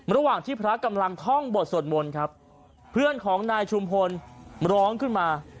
ระหว่างที่พระกำลังท่องบทสวดมนต์ครับเพื่อนของนายชุมพลร้องขึ้นมา